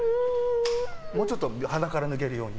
もうちょっと鼻から抜けるように。